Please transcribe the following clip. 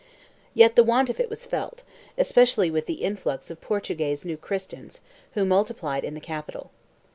3 Yet the want of it was felt, especially with the influx of Portuguese New Christians who multiplied in the capital.